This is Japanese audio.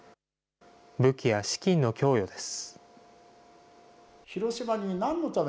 武器や資金の供与です。